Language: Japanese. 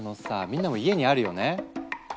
みんなも家にあるよね？